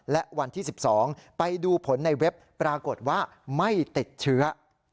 และวันที่๑๒ไปดูผลในเว็บปรากฏว่าไม่ติดเชื้อ